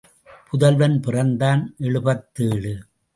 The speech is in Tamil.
புதல்வன் பிறந்தான் எழுபத்தேழு.